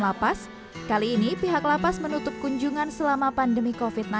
lapas kali ini pihak lapas menutup kunjungan selama pandemi covid sembilan belas